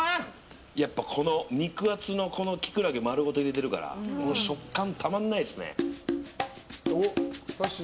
やっぱり肉厚のキクラゲ丸ごと入れているからこの食感たまらないですね。